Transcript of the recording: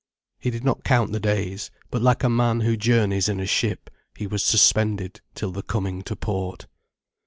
He did not count the days. But like a man who journeys in a ship, he was suspended till the coming to port.